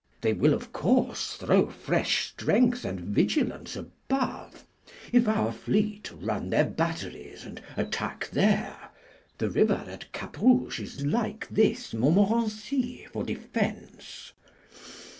"They will, of course, throw fresh strength and vigilance above, if our fleet run their batteries and attack there; the river at Cap Rouge is like this Montmorenci for defense."